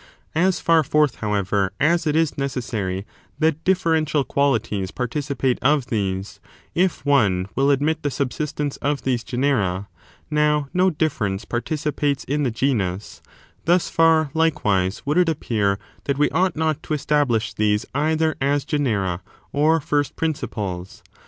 As far forth, however, as it is necessary that differential qualities participate of these, if one will admit the subsistence of these genera, — ^now no difference parti cipates in the genus, — thus far, likewise, would it appear that we ought not to establish these either as genera or first prin ciples.